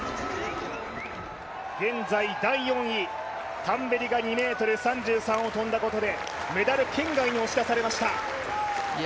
現在第４位、タンベリが２ｍ３３を跳んだことで、メダル圏外に押し出されました。